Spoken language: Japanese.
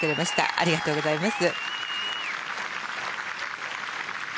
ありがとうございます。